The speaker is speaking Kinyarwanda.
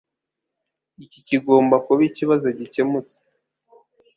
Iki kigomba kuba ikibazo gikemutse.